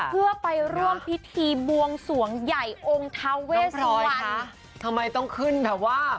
เพื่อไปร่วมพิธีบวงสวงใหญ่องค์ทาเวสวรรค์ทำไมต้องขึ้นแบบว่า